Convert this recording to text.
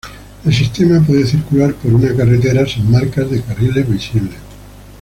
El sistema puede circular por una carretera sin marcas de carriles visibles.